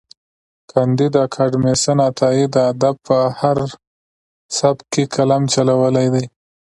کانديد اکاډميسن عطايي د ادب په هر سبک کې قلم چلولی دی.